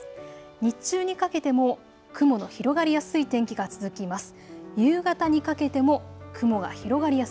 日中にかけても雲の広がりやすい天気が続きます。